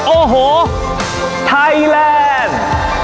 โอ้โหไทยแลนด์